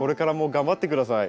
頑張って下さい。